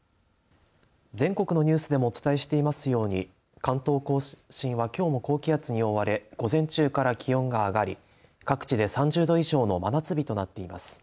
全国のニュースでもお伝えしていますように関東甲信はきょうも高気圧に覆われ午前中から気温が上がり各地で３０度以上の真夏日となってます。